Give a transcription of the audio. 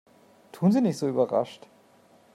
Tun Sie nicht so überrascht!